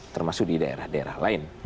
termasuk di daerah daerah lain